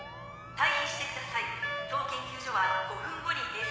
退避してください。